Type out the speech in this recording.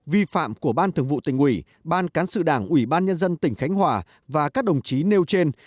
vi phạm của ban thường vụ tỉnh ủy ban cán sự đảng ủy ban nhân dân tỉnh khánh hòa và các đồng chí nêu trên